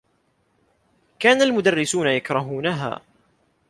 كان المدرّسون يكرهونها.